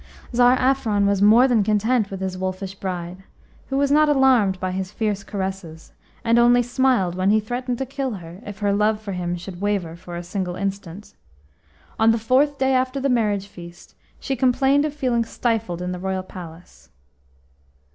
Tsar Afron was more than content with his wolfish bride, who was not alarmed by his fierce caresses, and only smiled when he threatened to kill her if her love for him should waver for a single instant. On the fourth day after their marriage feast she complained of feeling stifled in the royal palace.